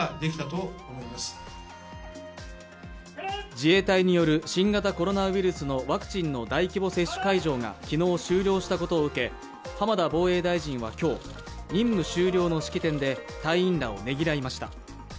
自衛隊による新型コロナウイルスのワクチンの大規模接種会場が昨日終了したことを受け、浜田防衛大臣は今日、任務終了の式典で隊員らをねぎらいました。